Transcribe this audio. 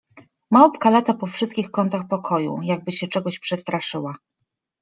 — Małpka lata po wszystkich kątach pokoju, jakby się czegoś przestraszyła.